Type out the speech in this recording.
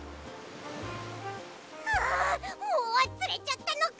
ああもうつれちゃったのか。